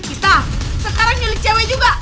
kita sekarang nyulik cewek juga